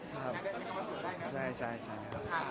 ขอบคุณครับ